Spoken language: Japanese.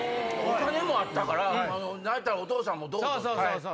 お金もあったから何やったらお父さんもどうぞ！